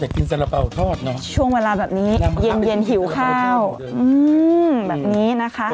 กินสาระเป๋าทอดเนอะช่วงเวลาแบบนี้เย็นเย็นหิวข้าวแบบนี้นะคะ